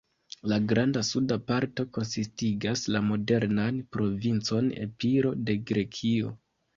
La granda suda parto konsistigas la modernan provincon Epiro de Grekio.